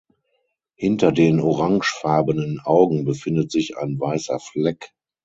Hinter den orangefarbenen Augen befindet sich ein weißer Fleck.